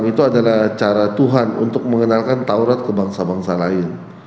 itu adalah cara tuhan untuk mengenalkan taurat ke bangsa bangsa lain